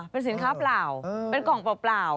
เป็นสินค้าเปล่าเป็นกล่องเปล่า